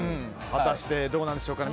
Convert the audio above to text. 果たして、どうなんでしょうか。